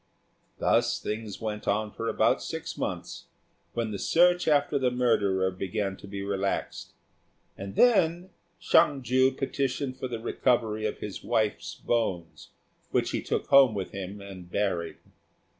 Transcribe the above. Thus things went on for about six months, when the search after the murderer began to be relaxed; and then Hsiang ju petitioned for the recovery of his wife's bones, which he took home with him and buried.